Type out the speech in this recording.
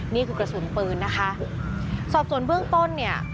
นี่คือกระสุนปืนนะคะสอบส่วนเบื้องต้นเนี่ย